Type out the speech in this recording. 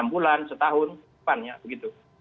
enam bulan setahun depannya begitu